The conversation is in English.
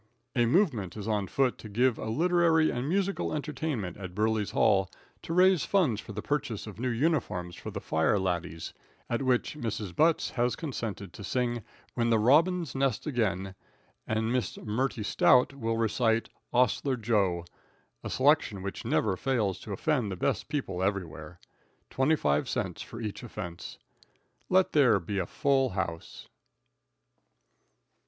A movement is on foot to give a literary and musical entertainment at Burley's hall, to raise funds for the purchase of new uniforms for the "fire laddies," at which Mrs. Butts has consented to sing "When the Robins Nest Again," and Miss Mertie Stout will recite "'Ostler Jo," a selection which never fails to offend the best people everywhere. Twenty five cents for each offense. Let there be a full house.